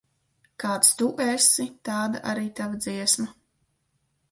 Kāds tu esi, tāda arī tava dziesma.